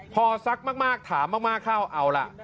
พอซักมากถามมากเข้าเอาล่ะ